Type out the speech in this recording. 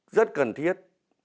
rất cần thiết